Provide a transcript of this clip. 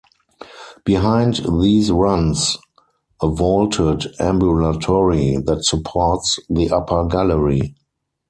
Behind these runs a vaulted ambulatory that supports the upper gallery.